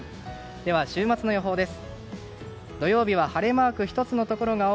では週末の予報です。